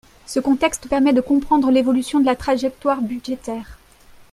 Ce contexte permet de comprendre l’évolution de la trajectoire budgétaire.